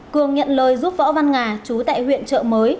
cường nhận lời giúp võ văn nga chú tại huyện trợ mới